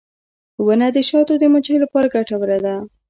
• ونه د شاتو د مچیو لپاره ګټوره ده.